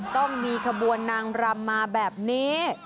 ต้องมีขบวนนางรำมาแบบนี้